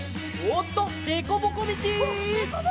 わっでこぼこみち！